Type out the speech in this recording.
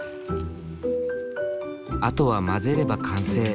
あとは混ぜれば完成。